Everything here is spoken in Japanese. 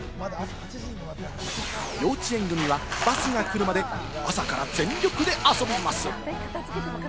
幼稚園組はバスが来るまで朝から全力で遊びます。